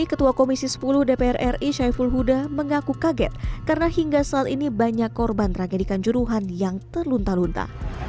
ketua komisi sepuluh dpr ri syaiful huda mengaku kaget karena hingga saat ini banyak korban tragedikan juruhan yang terlunta lunta